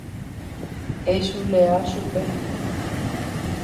Echulea chupe.